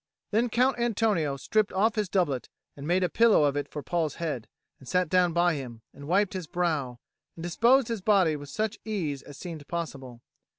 Then Count Antonio stripped off his doublet and made a pillow of it for Paul's head, and sat down by him, and wiped his brow, and disposed his body with such ease as seemed possible.